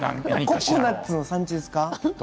ココナツの産地ですか？